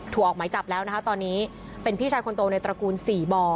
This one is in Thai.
ออกหมายจับแล้วนะคะตอนนี้เป็นพี่ชายคนโตในตระกูล๔บ่อ